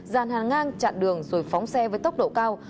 dàn hàng ngang chặn đường rồi phóng xe với tốc độ cao